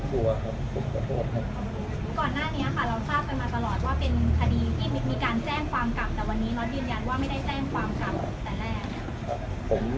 ก่อนหน้านี้ค่ะเราทราบไปมาตลอดว่าเป็นคดีที่มีการแจ้งความกลับ